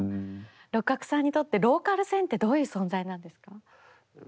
六角さんにとってローカル線ってどういう存在なんですか？